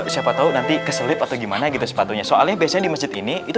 siapa tahu nanti keselip atau gimana gitu sepatunya soalnya biasanya di masjid ini itu